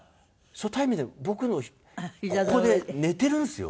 初対面で僕のここで寝てるんですよ。